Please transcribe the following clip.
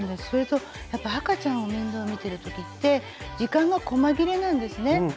それとやっぱ赤ちゃんを面倒見てる時って時間がこま切れなんですね。